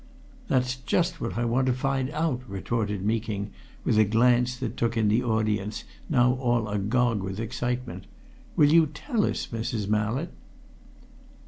"That's just what I want to find out!" retorted Meeking, with a glance that took in the audience, now all agog with excitement. "Will you tell us, Mrs. Mallett?"